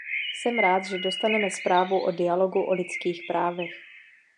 Jsem rád, že dostaneme zprávu o dialogu o lidských právech.